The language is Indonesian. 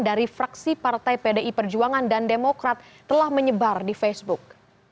dari fraksi partai pdi perjuangan dan demokrat telah menyebar di facebook